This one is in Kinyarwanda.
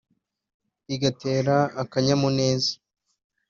igatera akanyamuneza